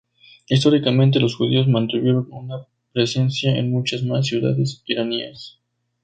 Históricamente, los judíos mantuvieron una presencia en muchas más ciudades iraníes.